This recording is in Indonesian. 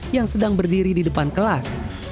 yang sedang berdiri di depan kelas